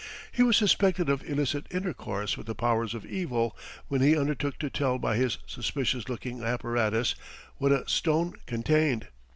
He was suspected of illicit intercourse with the Powers of Evil when he undertook to tell by his suspicious looking apparatus what a stone contained.